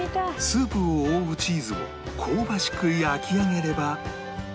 スープを覆うチーズを香ばしく焼き上げれば